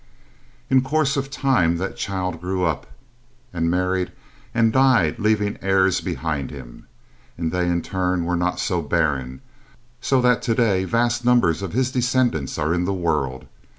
In course of time that child grew up, and married, and died leaving heirs behind him. And they in turn were not so barren, so that to day vast numbers of his descendants are in the world.